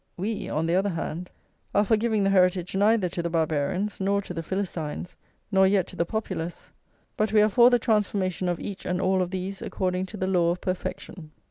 We, on the other hand, are for giving the heritage neither to the Barbarians nor to the Philistines, nor yet to the Populace; but we are for the transformation of each and all of these according to the law of perfection.